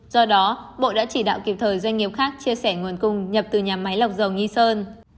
do đó bộ đã chỉ đạo kịp thời doanh nghiệp khác chia sẻ nguồn cung nhập từ nhà máy lọc dầu nghi sơn